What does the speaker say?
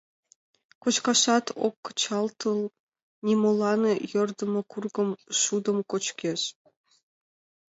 Кочкашат ок кычалтыл, нимолан йӧрдымӧ кургым, шудым кочкеш.